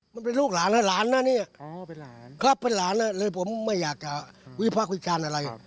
มันเป็นลูกหลานนะหลานนะเนี่ยครับเป็นหลานเลยผมไม่อยากจะวิภาควิจารณ์อะไร